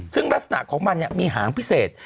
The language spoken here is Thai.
ซึ่งลักษณะของมันมีหางพิเศษ